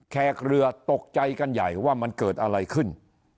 แขกเรือตกใจกันใหญ่ว่ามันเกิดอะไรขึ้น